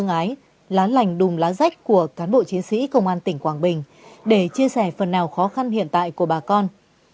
công an tỉnh quảng bình đã tạo ra một bản thân tương ái lá lành đùm lá rách của cán bộ chiến sĩ công an tỉnh quảng bình để chia sẻ phần nào khó khăn hiện tại của bà con